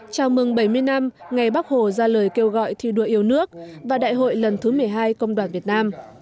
chào mừng bảy mươi năm ngày bắc hồ ra lời kêu gọi thi đua yêu nước và đại hội lần thứ một mươi hai công đoàn việt nam